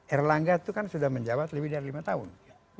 erlangga itu kan sudah menjawab lebih dari lima tahun